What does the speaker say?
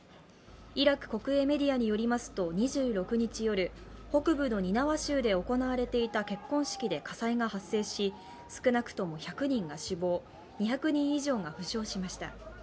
イラク国営メディアによりますと、２６日夜、北部のニナワ州で行われていた結婚式で火災が発生し、少なくとも１００人が死亡２００以上が負傷しました。